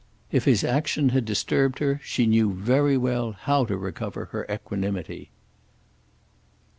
If his action had disturbed her she knew very well how to recover her equanimity.